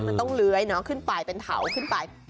มันต้องเลื้อยเนาะขึ้นไปเป็นเถาขึ้นไป